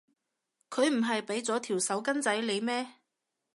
佢唔係畀咗條手巾仔你咩？